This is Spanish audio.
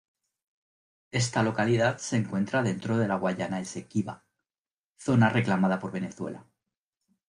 Esta localidad se encuentra dentro de la Guayana Esequiba, zona reclamada por Venezuela.